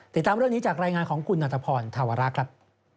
ติดตามเรื่องนี้จากรายงานของคุณนัตภพรธาวระครับ